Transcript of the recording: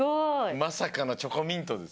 まさかのチョコミントです。